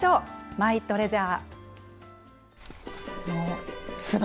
マイトレジャー。